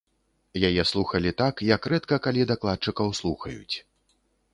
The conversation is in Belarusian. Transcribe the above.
Яе слухалі так, як рэдка калі дакладчыкаў слухаюць.